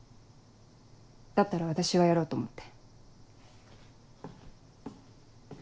だったら私がやろうと思って。